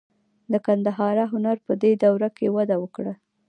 د ګندهارا هنر په دې دوره کې وده وکړه.